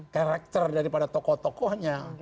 karakter daripada tokoh tokohnya